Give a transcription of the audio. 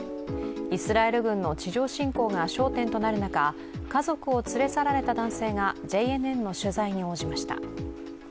イスラエル軍の地上侵攻が焦点となる中、家族を連れ去られた男性がＪＮＮの取材に応じました。